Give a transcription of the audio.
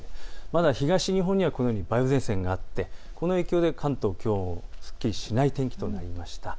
まだ東日本には梅雨前線があってこの影響で関東はきょうもすっきりとしない天気となりました。